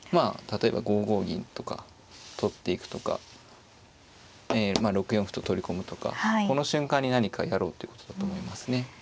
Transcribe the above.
例えば５五銀とか取っていくとかまあ６四歩と取り込むとかこの瞬間に何かやろうということだと思いますね。